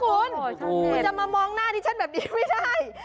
คุณจะมามองหน้าชั้นแบบนี้ไม่ได้